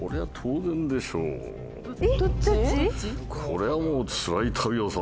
これはもう。